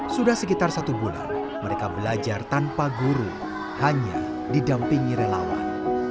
sudah sekitar satu bulan mereka belajar tanpa guru hanya didampingi relawan